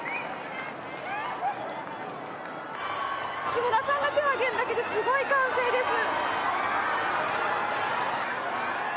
木村さんが手を上げるだけですごい歓声です。